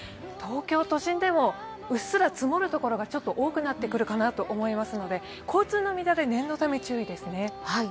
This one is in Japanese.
東京都心でもうっすら積もるところが多くなってくるかなと思いますので、交通の乱れ、念のため注意ですね。